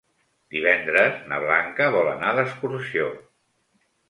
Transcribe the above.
Divendres na Blanca vol anar d'excursió.